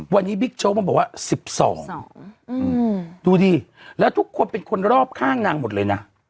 วันนี้บิ๊กโจ๊กมาบอกว่า๑๒ดูดิแล้วทุกคนเป็นคนรอบข้างนางหมดเลยนะ